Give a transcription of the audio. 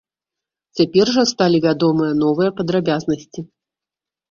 Цяпер жа сталі вядомыя новыя падрабязнасці.